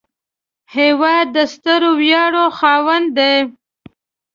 هېواد د ستر ویاړ خاوند دی